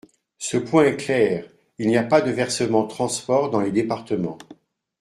Ce point est clair, il n’y a pas de versement transport dans les départements.